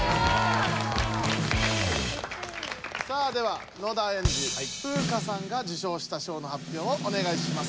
さあでは野田エンジフウカさんが受賞した賞の発表をおねがいします。